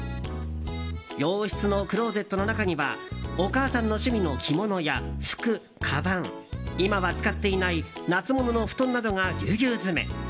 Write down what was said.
洋室のクローゼットの中にはお母さんの趣味の着物や服、かばん、今は使っていない夏物の布団などがぎゅうぎゅう詰め。